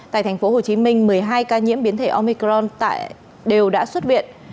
tại tp hcm một mươi hai ca nhiễm biến thể omicron đều đã xuất viện